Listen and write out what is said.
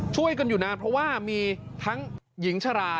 ช่วยกันอยู่นานเพราะว่ามีทั้งหญิงชรา